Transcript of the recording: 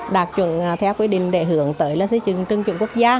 đạt chuẩn theo quy định để hưởng tới là xây dựng trường trưởng quốc gia